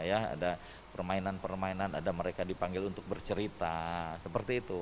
ada permainan permainan ada mereka dipanggil untuk bercerita seperti itu